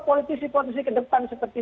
politisi politisi kedepan seperti